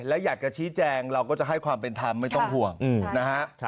และอยากจะชี้แจงเราก็จะให้ความเป็นธรรมไม่ต้องห่วงนะฮะ